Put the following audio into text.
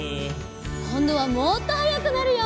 こんどはもっとはやくなるよ！